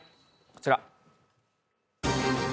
こちら。